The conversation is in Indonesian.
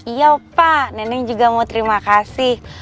iya pak neneng juga mau terima kasih